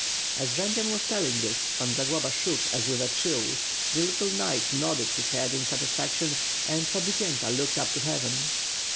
As Jendzian was tellipg this, Pan Zagloba shook as with a chill, the little knight nodded his head in satisfaction, and Podbipyenta looked up to heaven.